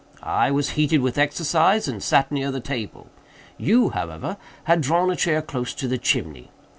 I was heated with exercise and sat near the table. You, however, had drawn a chair close to the chimney.